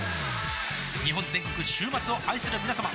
日本全国週末を愛するみなさま